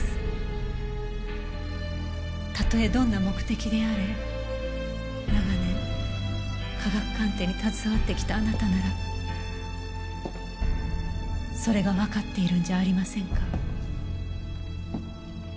たとえどんな目的であれ長年科学鑑定に携わってきたあなたならそれがわかっているんじゃありませんか？